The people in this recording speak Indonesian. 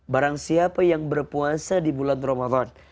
barang siapa yang berpuasa di bulan ramadan